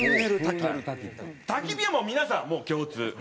焚き火はもう皆さん共通。